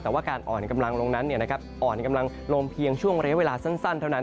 แต่ว่าการอ่อนกำลังลงนั้นอ่อนกำลังลงเพียงช่วงระยะเวลาสั้นเท่านั้น